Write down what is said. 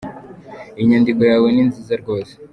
Iyi nyandiko yawe ni nziza rwose.